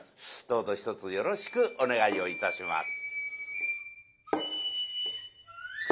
どうぞひとつよろしくお願いをいたします。